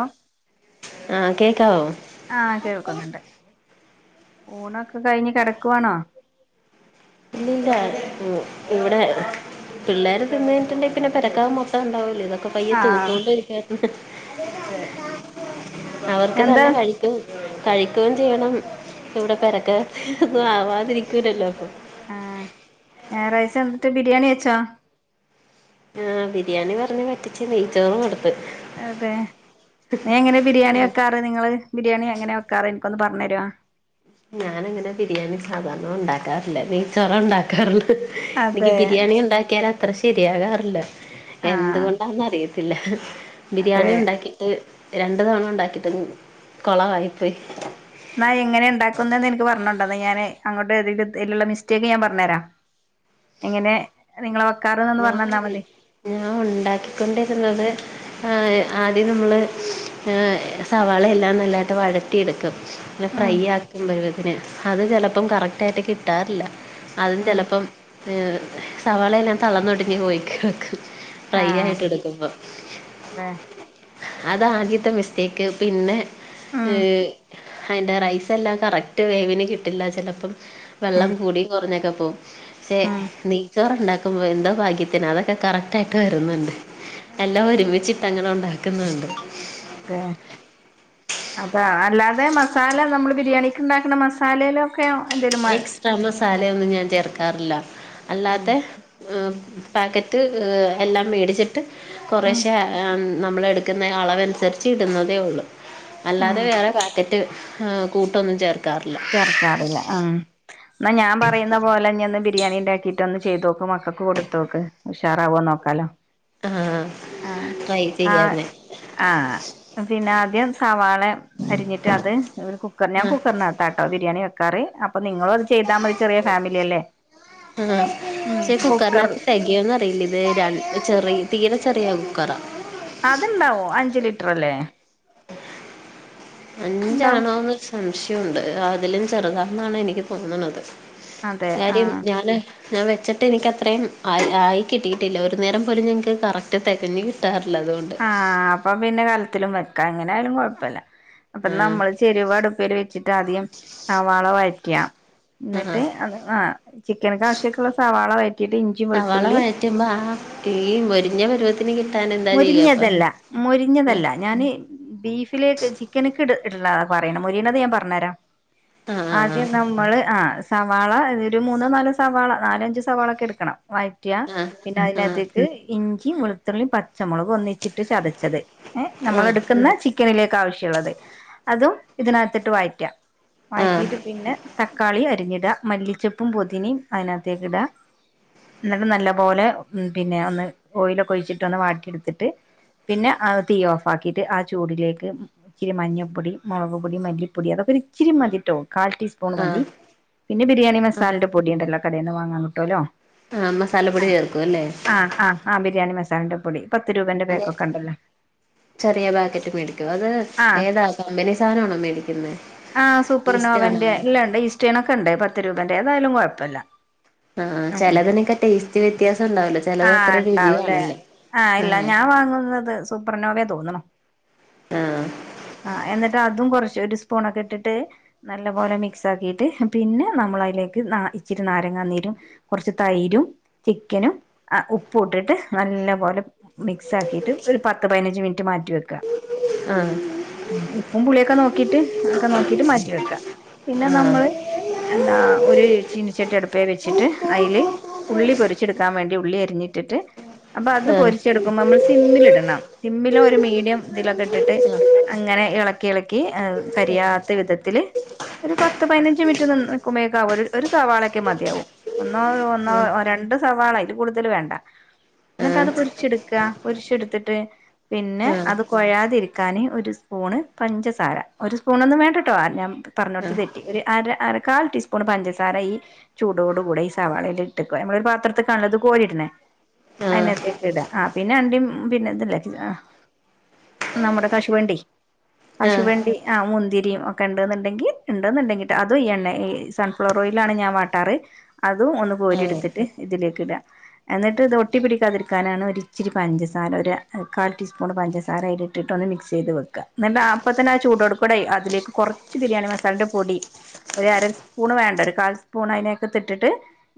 O. ആഹ്, കേക്കാവോ. ആഹ്, കേൾക്കുന്നുണ്ട് ഊണൊക്കെ കഴിഞ്ഞ് കെടക്കുവാണോ. ഇല്ലില്ല ഇവിടെ. പിള്ളേര് തിന്നെയ്ഞ്ഞിട്ട്ണ്ടെങ്കിൽ. പിന്നെ പെരക്കകം മൊത്തണ്ടാവല്ലേ, ഇത്. പ്പ പയ്യെ ആഹ് തൂത്തേണ്ടിരിക്കായിരുന്നു. ഹ്.. അതെ ആഹ് അവർക്ക് എന്താ തന്നെ കഴി കഴിക്കുകയും ചെയ്യെണം. ഇവിടെ പേരക്കകത്തു ഒന്നും, ആവാതിരിക്കൂലല്ലോ. ആഹ് ഞായറാഴ്ച്ച ന്നിട്ട് ബിരിയാണി വെച്ചോ. ആഹ് ബിരിയാണി പറഞ്ഞ് പറ്റിച്ച്. നെയ്ച്ചോറ് കൊടുത്ത്. അതെ നീ എങ്ങനെ ബിരിയാണി വെക്കാറ് നിങ്ങള്, ബിരിയാണി എങ്ങനെ വെക്കാറ്, ൻക്കൊന്ന് പറഞ്ഞെരേ. ഞാനങ്ങനെ ബിരിയാണി സാധാരണ ഉണ്ടാക്കാറില്ല. നെയ്ച്ചോറാ ഉണ്ടാക്കാറ്. നിക്ക് അതെ ബിരിയാണി ഉണ്ടാക്കിയാല് അത്ര ശരിയാകാറില്ല. ആഹ് എന്തുകൊണ്ടാന്നറി ല്ലഹ്, അതെ ബിരിയാണി ഉണ്ടാക്കി. അ് രണ്ട് തവണ ണ്ടാക്കിയിട്ട് കുളവായ്പ്പോയ്. ന്നാ എങ്ങനെ ണ്ടാക്കുന്ന് എന്ന് എനിക്ക് പറഞ്ഞേണ്ടാ. ന്നാ ഞാന് അങ്ങോട്ട് ഏതെ അയിലുള്ള മിസ്റ്റേക്ക് ഞാൻ പറഞ്ഞുതെരാ. എങ്ങനെ. നിങ്ങളെ വെക്കാറ ഞാൻ ഞാൻ ഉണ്ടാക്കിക്കൊണ്ടിരുന്നത് ആഹ് ആദ്യം നമ്മള് സവാള എല്ലാം നല്ലായിട്ട് വഴറ്റിയെടുക്കും അല്ലെ ഉം ഫ്രൈ ആക്കും പരുവത്തിന് അത് ചിലപ്പം കറക്റ്റ് ആയിട്ട് കിട്ടാറില്ല അതും ഉം ചിലപ്പം ഏർ സവാളെല്ലാം തളന്നൊടിഞ്ഞ് പോയിക്കും ഫ്രൈ ആഹ് ആയിട്ട് എടുക്കുമ്പോ അതെ അതാദ്യത്തെ മിസ്റ്റേക്ക് പിന്നെ ഉം അതിന്റെ റൈസ് എല്ലാം കറക്റ്റ് വേവിന് കിട്ടില്ല ചിലപ്പം വെള്ളം ഉം കൂടി കുറഞ്ഞക്കെ പോവും പക്ഷെ ഉം നെയ്ച്ചോറണ്ടാക്ക ക്കുമ്പോൾ എന്തൊ ഭാഗ്യത്തിന് അതൊക്കെ കറക് യിട്ട് വരുന്നുണ്ട് എല്ലാ ഒരുമിച്ചിട്ടങ്ങനെ ഉണ്ടാക്കുന്നുണ്ട് അത അതാ അല്ലാതെ മസാല നമ്മള് ബിരിയാണിക്ക് ഉണ്ടാക്കുന്ന മസാലയിലോ ഒക്കെയോ എന്തേലും മ എക്സ്ട്രാ മസാലയൊന്നും ഞാൻ ചേർക്കാറില്ല ഉം അല്ലാത്ത പാക്കറ്റ് എല്ലാം മേടിച്ചിട്ട് ഉം കൊറേശേ നമ്മൾ എടുക്കുന്ന അളവനുസരിച്ച് ഇടുന്നതേ ഒള്ളു ഉം അല്ലാതെ വേറെ പാക്കറ്റ് കൂട്ടൊന്നും ചേർക്കാറില്ല റില്ല ഉം ന്നാ ഞാൻ പറയുന്ന പോലെന്ന് ഒന്ന് ബിരിയാണി ഇണ്ടാക്കി ഇറ്റൊന്നന്ന് ചെയ്തോക്ക് മക്കൾക്ക് കൊടുത്തോക്ക് ഉഷാറാവോ നോക്കാലോ ആഹ് ആഹ് ട്രൈ ആഹ് ചെയ്യാന്നെ ആഹ് പിന്നെ ആദ്യം സവാള അരിഞ്ഞിട്ട് അത് കുക്കർ ഞാൻ ആഹ് കുക്കർന ബിരിയാണി വെക്കാറ് അപ്പ നിങ്ങളോ ചെയ്താൽ മതി ചെറിയ ഫാമിലി അല്ലേ ഉം കുക്കർ [unintelligible] ന്നറിയില്ല ഇത് ര ചെറിയ തീരെ ചെറിയ കുക്കറാ അത്ണ്ടാവും അഞ്ച് ലിറ്റർല്ലേ ഉണ്ടാവും അഞ്ചാണോ എന്നൊരു സംശയുണ്ട് അതിലും ചെറുതാണന്നാണ് എനിക്ക് തോന്ന്ണത് അതെ കാര്യം ആഹ് ഞാന് ഞാൻ വെച്ചിട്ട് എനിക്കത്രയും ആ ആയി കിട്ടിയിട്ടില്ല ഒരു നേരം പോലും ഞങ്ങക്ക് കറക്റ്റ് തികഞ്ഞ് കിട്ടാറില്ല അതുകൊണ്ട് ആഹ് അപ്പൊ പിന്നെ കലത്തിലും വെക്കാ അങ്ങനെ ആയാലും കൊഴപ്പല്ല അപ്പൊ ആഹ് നമ്മള് ചെരുവടുപ്പിൽ വെച്ചി ങ്ങട്ടാദ്യം സവാള വഴറ്റ ആഹ് ന്നട്ട് അത് ആഹ് ചിക്കൻകാവശ്യൊക്കുള്ള സവാള വയറ്റിട്ട് സവാള വഴറ്റുമ്പോ ആഹ് ഈ മൊരിഞ്ഞ പരുവത്തിന് കിട്ടാന് മൊരിഞ്ഞതല്ല മൊരിഞ്ഞതല്ല ഞാന് ബീഫിലേക്ക് ചിക്കൻക്ക് ഇട് ഇട്ണ പറയ്ണ മൊരിണത് ഞാൻ പറഞ്ഞരാ ആഹ് ആഹ് ആദ്യം നമ്മള് ആഹ് സവാള ഒരു മൂന്നോ നാലോ സവാള നാലഞ്ചു സവാള ഒക്കെ എടുക്കണം വയറ്റ ആഹ് ആഹ് പിന്നെ ആഹ് അതിനകത്തേക്ക് ഇഞ്ചി വെളുത്തുള്ളിയും പച്ചമുളക് ഒന്നിച്ചിട്ട് ചതച്ചത് ഏ ആഹ് നമ്മൾ ആഹ് എടുക്കുന്ന ചിക്കനിലേക്ക് ആവശ്യുള്ളത് അതും ഇതിനകത്തിട്ട് വയറ്റ ആഹ് വയറ്റിയിട്ട് പിന്നെ തക്കാളി അരിഞ്ഞിടാ മല്ലിച്ചപ്പും പൊതിനയും അതിനകത്തേക്ക് ഇടാ ഇന്നട്ട് നല്ല പോലെ പിന്നെ ഒന്ന് ഓയിലൊക്കെ ഒഴിച്ചിട്ട് ഒന്ന് വാട്ടിയിട്ത്തിട്ട് പിന്നെ ആ തീ ഓഫ് ആക്കീട്ട് ആ ചൂടിലേക്ക് ഇച്ചിരി മഞ്ഞപ്പൊടി മുളക് പൊടി മല്ലിപ്പൊടി അതൊക്കെ ഇച്ചരി മതിട്ടോ കാൽടീസ് പൂണ് മതി ആഹ് പിന്നെ ബിരിയാണി ആഹ് മസാല പൊടിയ ഉണ്ടല്ലോ കടയിൽന്ന് വാങ്ങാൻ കിട്ടോല്ലോ ആഹ് മസാലപ്പൊടി ചേർക്കും അല്ലേ ആഹ് ആഹ് ബിരിയാണി മസാലന്റെറെ പൊടി പത്ത് രൂപേന്റെ അതെ പേക്കൊക്കെ ഉണ്ടല്ലോ ചെറിയ പേക്കറ്റ് മേടിക്കും അത് ആ ഏതാ കമ്പനി സാനാണോ മേടിക്കുന്നത് ആഹ് സൂപ്പർനോവന്റെ ഇല്ലാ ഇണ്ട് ഇസ്റ്റേൻൊക്കെ ഇണ്ട് പത്ത് രൂപേന്റെ ഏതായാലും കൊഴപ്പല്ല ആഹ് ചെലതിനൊക്കെ ടേസ്റ്റ് വ്യത്യാസം ഇണ്ടാവൂലെ ചെലത് അത്ര രുചി കാണില്ല ആഹ് ഇല്ല ഞാൻ വാങ്ങുന്നത് സൂപ്പർനോവേ തോന്നുന്നു ആഹ് ആഹ് എന്നിട്ട് അതും കൊറച്ച് ഒരു സ്പൂൺക്കെ ഇട്ടിട്ട് നല്ലപോലെ മിക്സ് ആക്കിയിട്ട് പിന്നെ നമ്മള അയ്ലേക്ക് ന്നാ ഇച്ചിരി നാരങ്ങ നീരും കൊർച്ച് തൈരും ചിക്കനും അ ഉപ്പ് ഇട്ടിട്ട് നല്ല പോലെ മിക്സാക്കിയിട്ട് ഒരു പത്ത് പതിനഞ്ച് മിനിറ്റ് മാറ്റി വെക്ക ആഹ് ഉം ഉപ്പും പുളിയൊക്കെ നോക്കിട്ട് ഒക്കെ നോക്കിട്ട് മാറ്റി വെക്കാ പിന്നെ നമ്മള് എന്താ ഒരു ചീനച്ചട്ടി അടുപ്പേ വെച്ചിട്ട് അയ്ല് ഉള്ളി പൊരിച്ചെടുക്കാൻ വേണ്ടി ഉള്ളി അരിഞ്ഞിട്ടിട്ട് അപ്പൊ അത് ആഹ് പൊരി ച്ചെടുക്കുമ്പോ നമ്മൾ സിമ്മിലിടണം സിമ്മില ഒരു മീഡിയം ഇതിലൊക്കെ ഇട്ടിട്ട് അങ്ങനെ ഇളക്കി ഇളക്കി കരിയാത്ത വിധത്തില് ഒരു പത്ത് പതിനഞ്ച് മിനിറ്റ് നിക്കുമേക്ക ഒരു സവാളൊക്കെ മതിയാവും ഒന്നോ ഒന്നോ രണ്ട സവാള അൽ കൂടുതൽ വേണ്ട എന്നിട്ട് അത് ആഹ് പൊരിച്ചെടുക്ക പൊരിച്ചെടുത്തിട്ട് പിന്നെ ആഹ് ആഹ് ആഹ് അത് കുഴയാതിരിക്കാൻ ഒരു സ്പൂണ് പഞ്ചസാര ഒരു സ്പൂണൊന്നും വേണ്ടട്ടോ ഞാൻ പറഞ്ഞ കൊടുത്ത് ആഹ് തെറ്റി ഒരു അര അ കാൽ ടീസ്പൂൺ പഞ്ചസാര ഈ ചൂടോട കൂടെ ഈ സവാളൽ ഇട്ടക്ക നമ്മളൊരു പാത്രത്തിക്കാണല്ലോ കോരിടണെ ആഹ് അതിനത്തേ ഇടാ ആ പിന്നെ അണ്ടി പിന്നെ ഇതല്ല നമ്മുടെ കശുവണ്ടി ആഹ് കശുവണ്ടി ആ മുന്തിരിയും ഒക്കെ ഉണ്ടെന്നുണ്ടെങ്കിൽ ഇണ്ടന്നുണ്ടങ്കിട്ട് അതും ഈ എണ്ണ ഈ ഫ്ലോറോയില ആാണ് ഞാൻ വാട്ടാറ് അതും ഒന്ന് കോരി ആഹ് എടുത്തിട്ട് ഇതിലേക്ക് ഇടുക ന്നിട്ട ഇത് ഒട്ടിപിടിക്കാതിരി വെക്കാനാണ് ഒരു ഇച്ചിരി പഞ്ചസാര ഒരു കാൽ ടീസ്പൂൺ പഞ്ചസാര അയില ഇട്ടിട്ടൊ ഒന്ന് മിക്സ് ചെയ്ത് വെക്കാ എന്നട്ട് അപ്പത്തന്നെ ആ ചൂട്ടുക്കൂടായി അതിലേക്ക് കുറച്ച് ബിരിയാണി മസാലന്റെ പൊടി ഒരു അര സ്പൂണ് വേണ്ട ഒരു കാൽ സ്പൂൺ അതിനകതിട്ടിട്ട്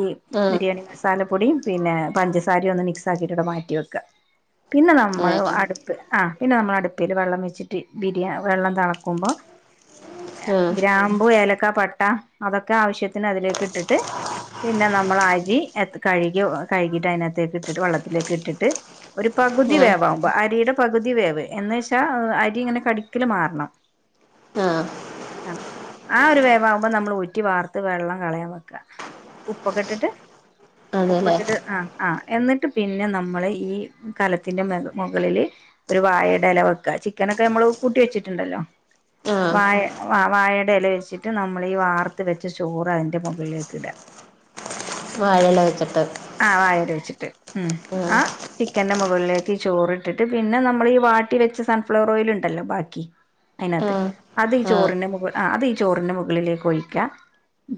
ഈ ആഹ് ബിരിയാണി മസാലപ്പൊടിയും പിന്നെ പഞ്ചസാരയും ഒന്ന് മിക്സ് ആക്കിട്ട് ഇവിടെ മാറ്റി വെക്കഴ് പിന്നെ നമ്മൾ അതെല്ലേ അടുപ്പ് ആ പിന്നെ നമ്മൾ അടുപ്പിൽ വെള്ളം വെച്ചിട്ട് ബിരിയാണി വെള്ളം തിളക്കുമ്പോ ആഹ് ഗ്രാമ്പു ഏലക്ക പട്ട അതൊക്കെ ആവശ്യത്തിന് അതിലേക്ക് ഇട്ടിട്ട് പിന്നെ നമ്മളരി കഴുകി കഴുകിട്ട് അതിനകത്തേക്ക് ഇട്ടിട്ട് വെള്ളത്തിലേക്ക് ഇട്ടിട്ട് ഒരു പകുതി ആഹ് വേവകുമ്പോ അരിയുടെ പകുതി വേവ് എന്ന വെച്ചാ അരി ഇങ്ങനെ കടിക്കില് മാറണം [inaudible] ആഹാ ആ ആ ഒരു വേവമാവുമ്പോം നമ്മൾ ഊറ്റി വാർത്ത് വെള്ളം കളയാൻ വെക്കുക ഉപ്പൊക്കെ ഇട്ടിട്ട് ഉപ്പ് അതെല്ലേ ഇട്ടിട്ട് ആഹ് ആഹ എന്നിട്ട് പിന്നെ നമ്മൾ ഈ കലത്തിൻ്റെ മുകളിൽ ഒരു വായയുടെ ഇല വയ്ക്ക ചിക്കനൊക്കെ നമ്മള് കൂട്ടി വെച്ചിട്ടുണ്ടല്ലോ ആഹ് വായ വ വാഴയുടെ ഇല വെച്ചിട്ട് നമ്മൾീഈ വാർത്ത് വെച്ച ചോറ് അതിന്റെ മുകളിലേക്ക് ഇടാ [inaudible] വാഴയില വെച്ചിട്ട് വെച്ചിട്ട് ഉം ആഹ് ആ ചിക്കന്റെ മുകളിലേക്ക് ചോറിട്ടിട്ട് പിന്നെ നമ്മൾ ഈ വാട്ടി വെച്ച് സൺഫ്ലവർ ഓയിൽ ഉണ്ടല്ലോ ബാക്കി അതിനകത്ത് ആഹ് അത് ഈ ആഹ് ചോറിന്റെ മ അത് ഈ ചോറിന്റെ മുകളിലേക്ക് ഒഴിക്കാ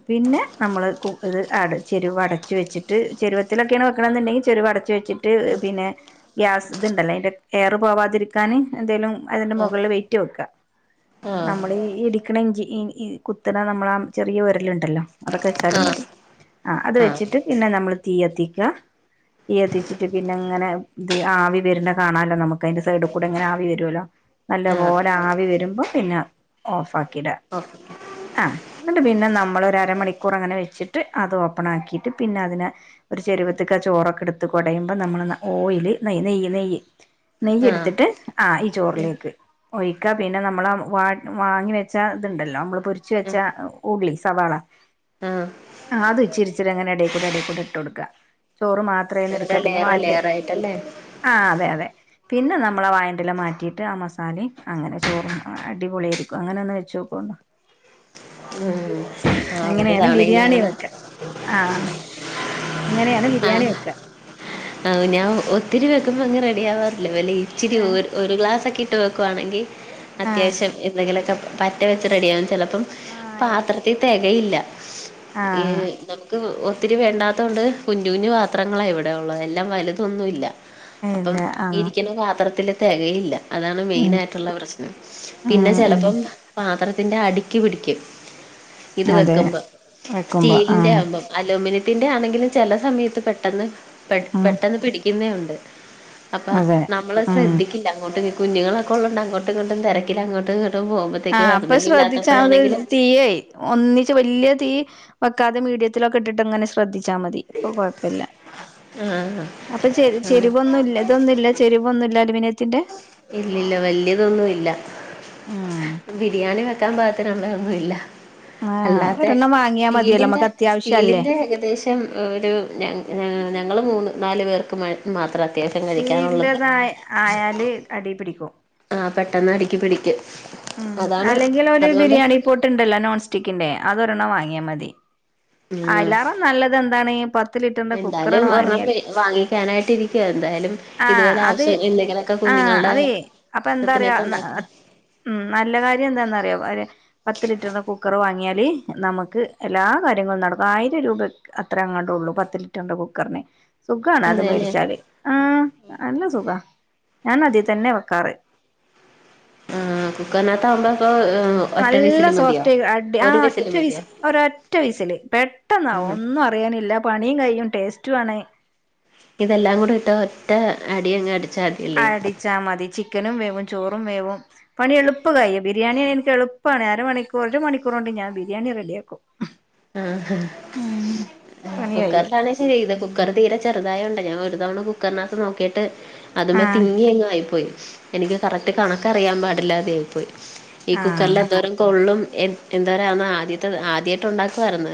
പിന്നെ നമ്മള് ഇത് അ ചെരുവ അടച്ചു വെച്ചിട്ട് ചെരുവത്തിലൊക്കെയാണ് ക്കണം എന്നുണ്ടെങ്കിൽ ചചെരുവം അടച്ചുച്ച വെച്ചിട്ട് പിന്നെ ഗ്യാസ് ഇതുണ്ടല്ലോ അതിന്റെ എയറ് പോവാതിരിക്കാൻ എന്തേലും അതിന്റെ ആഹ് മുകളില് വെയിറ്റ് വെക്ക ആഹ് നമ്മൾഇടിക്കണ ഇഞ്ചി കുത്തണ നമ്മള ആ ചെറിയ ഒരലുണ്ടല്ലോ അതൊക്കെ വെച്ചാലും ആഹ് മതി ആ അത് ആഹ് വെച്ചിട്ട് പിന്നെ നമ്മള് തീ കത്തിക്കുക തീ കത്തിച്ചിട്ട് പിന്നെ ഇങ്ങനെ ഇ ആവി വരുന്ന കാണല്ലോ നമുക്ക് അതിന്റെ സൈഡിൽ കൂടെ ഇങ്ങനെ ആവി വരുല്ലോ നല്ല ആഹ് പോലെ ആവി വരുമ്പോ പിന്നെ ഓഫ് ആക്കിട ഓക്കെ ആഹ എന്നിട്ട് പിന്നെ നമ്മളൊരമണിക്കൂർ അങ്ങനെ വെച്ചിട്ട് അത് ഓപ്പൺ ആക്കിയിട്ട് പിന്നെ അതിനെ ഒരു ചെരുവ ത്തക്ക ചോറൊക്കെ എടുത്ത് കുടയുമ്പോൾ നമ്മൾ ഓയിൽ നെയ്യ് നെയ്യ് നെയ്യ് നെയ്യ ആഹ് എടുത്തിട്ട് ആ ഈ ഉം ചോറിലേക്ക് ഒഴിക്കുക പിന്നെ നമ്മള വാ വാങ്ങി വെച്ചാൽ ഇതുണ്ടല്ലോ നമ്മൾ പൊരിച്ച് ഉം വെച്ചാൽ ഉള്ളി സവാള ആഹ് ആഹ് അത് ഇച്ചിരിച്ചിരി അങ്ങനെ എടേ കൂടെ എടേ കൂടെ ഇട്ട് കൊടുക്കാ ചോറ് മാത്രയല്ലേ എടുക്ക ഓരോ പിന്നെ ലെയറ് വാണ്ട് ലെയറായിട്ടല്ലേ ആഹ് അതെ അതെ പിന്നെ നമ്മളാ വായൻ്റെല മാറ്റീട്ട് ആഹ് മസാലേം അങ്ങനെ ചോറും ആഹ് അടിപൊളിയേരിക്കും അങ്ങനൊന്ന് വെച്ചോക്കോണ്ടു [inaudible] ഉം ആഹ് ഒരു അങ്ങനെയാണ് തവണ ഇനി ബിരിയാണി അങ്ങനെ വെക്ക ആഹ് അങ്ങനെയാണ് ബിരിയാണി വെക്ക ആഹ് ഞാൻ ഒത്തിരി വെക്കുമ്പങ്ങ് റെഡിയാവാറില്ല വല്ല ഇച്ചിരി ഏഹ് ഒര് ഒരു ഗ്ലാസ്സൊക്കെ ഇട്ട് വെക്കുവാണെങ്കി ആഹ് അത്യാവശ്യം എന്തെങ്കിലൊക്കെ പറ്റ വെച്ച് റെഡിയാവും ചെലപ്പ് പ്പം ആഹ് പാത്രത്തീ തെകയില്ല ആഹ് ഏഹ് നമുക്ക് വ് ഒത്തിരി വേണ്ടാത്ത കൊണ്ട് കുഞ്ഞു കുഞ്ഞു പാത്രങ്ങളാ ഇവിടെ ഒള്ളത് എൽ ല്ലാം വലുതൊന്നു ഇല്ല അപ്പം ഇല്ല ആഹ് ഇരിക്കുന്ന പാത്രത്തില് തെകയില്ല അതാണ് ഉം മെയിനായിട്ടുള്ള പ്രശ്നം പിന്നെ ഉം ഉം ചെലപ്പം പാത്രത്തിന്റെ അടി ക്ക് പിടിക്കും ഇത് അതെ വെക്കുമ്പം വെക്കുമ്പോ ആഹ് സ്റ്റീലിന്റെയാവുമ്പം അലോമിനിയത്തിന്റെ ആന്നെങ്കിലും ചെല സമയത്ത് പെട്ടെന്ന് പെ ഉം പെട്ടെന്ന് പിടിക്കുന്നേ ഒണ്ട് അപ്പ അതെ നമ്മള് ഉം ശ്രദ്ധിക്ക് ക്കില്ല അങ്ങോട്ട് ഈ കുഞ്ഞുങ്ങളൊക്കെ ഒള്ളോണ്ട് അങ്ങോട്ടു ഇങ്ങോട്ടും തെരക്കിലങ്ങോട്ടും ഇങ്ങോട്ടും പോവുമ്പ ആഹ് അപ്പത് ശ്രദ്ധിച്ചാ അത് തീയേയ് ഒന്നിച്ച് വല്ല്യ തീ വെക്കാതെ മീഡിയത്തിലൊക്കെ ഇട്ടിട്ടങ്ങനെ ശ്രദ്ധിച്ചാ മതി അപ്പൊ കൊഴപ്പല്ല ആഹ് അപ്പ ചെര് ആഹ് ചെരുവൊന്നുല്ലത് ഇതൊന്നില്ല ചെരുവൊന്നുല്ല അലുമിനിയത്തിന്റെ ഇല്ലില്ല വല്ല്യതൊന്നുവില്ല ഉം ബിരിയാണി വെക്കാൻ പാകത്തിനുള്ളത് ഒന്നുവില്ല ആഹ് അല്ലാത്തെ ഒരെണ്ണം വാങ്ങിയാ മതിയല്ലോ സ്റ്റീലിന്റെ നമുക്ക് അത്യാവശ്യല്ലേ സ്റ്റീലിന്റെ ഏകദേശ് ശം ഒരു ഞങ്ങ് ഞാ ഞങ്ങള് മൂന്ന് നാല് പേർക്ക് മേ മാത്രം അത്യാവശ്യം കഴിക്കാനൊള്ളത് സ്റ്റീലിന്റെതായ ആയാല് അടീ പിടിക്കും ആഹ് പെട്ടെന്നടിക്ക് പിടിക്ക് ഉം അല്ലെങ്കിലൊരു ബിരിയാണി പോട്ട്ണ്ടല്ലോ നോൺ സ്റ്റിക്കിന്റെ അതൊരെണ്ണം വാങ്ങിയാ മതി ഉം അയിലേറെ നല്ലതെന്താണീ പത്ത് ലിറ്ററിന്റെ കുക്കറാണ് എന്തായാലും ഒരെണ്ണം വാങ്ങിയാല് വാങ്ങിക്കാനായിട്ട് ഇരിക്കുവ എന്തായാലും ആഹ് ഇതുപോലെ അത് ആവശ്യം എന്തെങ്കിലുമൊക്കെ ആഹ് കുഞ്ഞുങ്ങളുടെ അതേ അപ്പെന്താ അറിയോ ആവശ്യത്തിനൊക്കെ നാ ഉണ്ടാക്കണ്ടേ ഉം നല്ല കാര്യെന്താന്നറിയോ വരെ പത്ത് ലിറ്ററിൻ്റെ കുക്കറ് വാങ്ങിയാല് നമക്ക് എല്ലാ കാര് ര്യങ്ങളും നടക്കും ആയിരം രൂപക്ക് അത്ര എങ്ങാണ്ടൊള്ളൂ പത്ത് ലിറ്ററിന്റെ കുക്കറിന് സുഖാണ് അത് അതെല്ലേ മേടിച്ചാല് ആഹ് നല്ല സുഖാ ഞാനതീ തന്നെയാ വെക്കാറ് ആഹ് കുക്കറിനാത്താവുമ്പ ഇപ്പോ അ് നല്ല സോഫ്റ്റായി അടി ആഹ് ഒറ്റ മതിയോ വിസ് ഓരൊറ്റ വിസില് പെട്ടെന്നാവും ഒന്നും അറ് റിയാനില്ല പണിയും കഴിയും ടേസ്റ്റുവാണ് ഇതെല്ലാം കൂട ഇട്ട് ഒറ്റ അടിയങ്ങ് അടി അടിച്ചാൽ മതിയല്ലേ അടിച്ചാ മതി ചിക്കനും വേവും ചോറും വേവും പണി എളുപ്പം കഴിയും ബിരിയാണിയായാ എനിക്കെളുപ്പാണ് അര മണിക്കൂ ഒരു മണിക്കൂറ് കൊണ്ട് ഞാൻ ബിരിയാണി റെഡിയാക്കു ക്കും ഉം ആഹ് പണി കഴിയും കുക്കറിലാണിഷ് ചെയ്ത കുക്കറ് തീരെ ചെറുതായോണ്ട ഞാൻ ഒരു തവണ കുക്കറിനാത്ത് നോക്കിയട്ട് അതുമ്മെ ആഹ് തിങ്ങിയങ്ങായിപ്പോയി എനിക്ക് കറക്റ്റ് കണക്കറിയാൻ പാടില്ലാതെ ആയി പോയി ഈ ആഹ് കുക്കറിലെന്തോരം കൊള്ളും എൻ എന്തോരാന്നാ ആദ്യത്തെത് ആദ്യായിട്ട് ഒണ്ടാക്ക് ക്കുവാരുന്ന്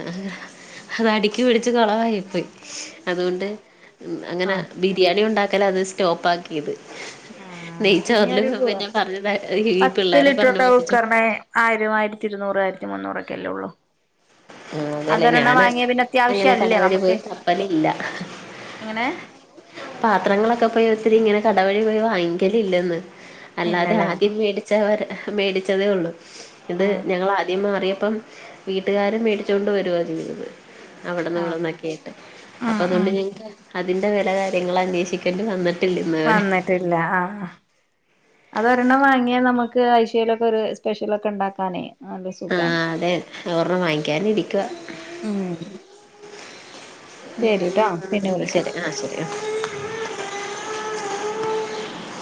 അതടിക്ക് പിടിച്ച് കൊളവായിപ്പോയി അതുകൊണ്ട് അതെ ഉം അങ്ങന ആഹ് ബിരിയാണിയുണ്ടാക്കലത് സ്റ്റോപ്പാക്കിയത് ആഹ് ഇനി നെയ്ച്ചോറില് ഒരു പിന്നെ പറഞ്ഞുതാ ഈ പത്ത് പിള്ളേരെ പറഞ്ഞ് ലിറ്ററിന്റെ പറ്റിച്ചു കുക്കറിന് ആയിരം ആയിരത്തി ഇരുന്നൂറ് ആയിരത്തി മുന്നൂറൊക്കെയല്ലേ ഒള്ളൂ ആ അതല്ലേ അതൊരെണ്ണം ഞാന് വാങ്ങിയാ പിന്നെ അങ്ങനെ അത്യാവിശ്യല്ലേ കടവഴി നമുക്ക് പോയി തപ്പലില്ല എങ്ങനെ പത്രങ്ങളൊക്കെപ്പം ഒത്തിരി ഇങ്ങനെ കട വഴി പോയി വാങ്ങിക്കെലില്ലെന്ന്. അല്ലാതെ ഇല്ലല്ലേ ആർക്കെവേണ്ടി. ചവര് മേടിച്ചതെ ഒള്ളു. ഇത് ആഹ് ഞങ്ങളാദ്യം മാറിയപ്പം ആഹ് വീട്ടുകാര് മേടി ച്ചോണ്ട് വര്വാരുന്ന്. അവിടെന്നും ഇവിടന്നൊക്കെ ആയിട്ട് അപ്പം അതോണ്ട് ആഹ് ഇഞ്. അതിന്റെ വെല കാര്യങ്ങള് അന്നെഷിക്കെണ്ടി വന്ന്. വന്നിട്ടില്ല അഹ. അതൊരണ്ണം വാങ്ങിയാ നമുക്ക് ആയ്ശേലൊക്കെ ഒര് സ്‌പെഷലൊക്കെ ഇണ്ടാകാനെ. ആ അതെ. ഒറണ്ണം വാങ്ങി ക്ക്യാനിരിക്കുവാ. ഉം ശരിട്ടോ പിന്നെ ഉം വിളിക്കാ ശെരി ആ ശെരി അ.